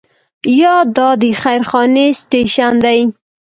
یا دا د خیر خانې سټیشن دی.